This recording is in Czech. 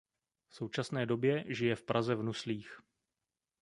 V současné době žije v Praze Nuslích.